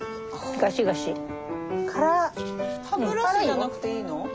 歯ブラシじゃなくていいの？